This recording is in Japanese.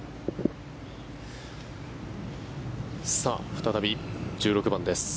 再び１６番です。